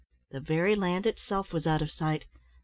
The very land itself was out of sight.